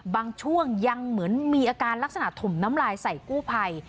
บางช่วงยังเหมือนมีอาการลักษณะถมน้ำลายใส่กู้ภัย